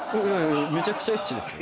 めちゃくちゃエッチですよ